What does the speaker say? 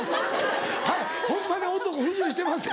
「はいホンマに男不自由してません」。